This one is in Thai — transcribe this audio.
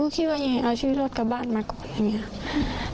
หนูก็คิดว่าอย่างนี้เอาชีวิตโรศกลับบ้านมาก่อนอย่างนี้